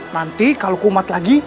nanti kalau kumat lagi